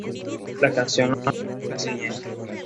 La Canción Nacional es la siguiente.